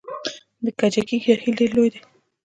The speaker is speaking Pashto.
د کجکي جهیل ډیر لوی دی